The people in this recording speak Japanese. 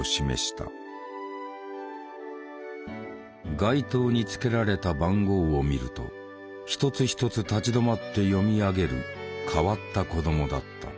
街灯につけられた番号を見ると一つ一つ立ち止まって読み上げる変わった子供だった。